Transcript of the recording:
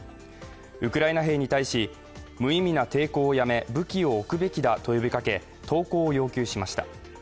ウクライナ兵に対し、無意味な抵抗をやめ武器を置くべきだと呼びかけ投降を要求しました。